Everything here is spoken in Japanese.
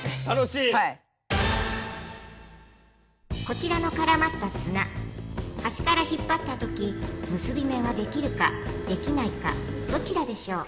こちらのからまった綱はしから引っぱったとき結び目はできるかできないかどちらでしょう？